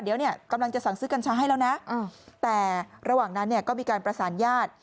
เดี๋ยวเนี่ยกำลังจะสั่งซื้อกัญชาให้แล้วนะแต่ระหว่างนั้นเนี่ยก็มีการประสานญาติ